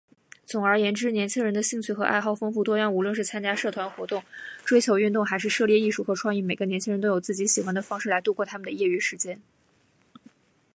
总而言之，年轻人的兴趣和爱好丰富多样。无论是参加社团活动、追求运动，还是涉猎艺术和创意，每个年轻人都有自己喜欢的方式来度过他们的业余时间。